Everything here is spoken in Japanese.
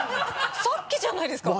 さっきじゃないですか。